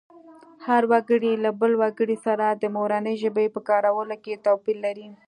هر وګړی له بل وګړي سره د مورنۍ ژبې په کارولو کې توپیر لري